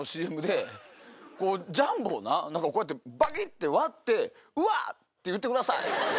ジャンボをな「バキ！って割ってうわ！って言ってください」。